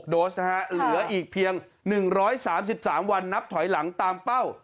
โดสนะฮะเหลืออีกเพียง๑๓๓วันนับถอยหลังตามเป้า